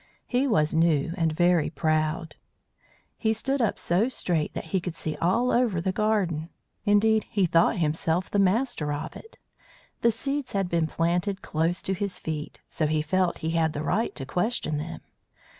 He was new and very proud. He stood up so straight that he could see all over the garden. Indeed, he thought himself the master of it. The seeds had been planted close to his feet, so he felt he had the right to question them.